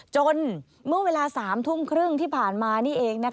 เมื่อเวลา๓ทุ่มครึ่งที่ผ่านมานี่เอง